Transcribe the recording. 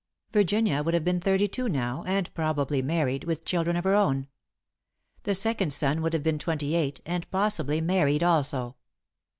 Virginia would have been thirty two now, and probably married, with children of her own. The second son would have been twenty eight, and, possibly, married also.